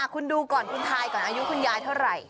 คุณดูก่อนคุณทายก่อนอายุคุณยายเท่าไหร่